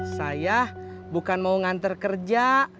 saya bukan mau nganter kerja